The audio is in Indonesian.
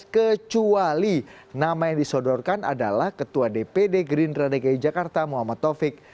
kecuali nama yang disodorkan adalah ketua dpd gerindra dki jakarta muhammad taufik